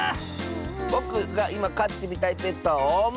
ぼくがいまかってみたいペットはオウム！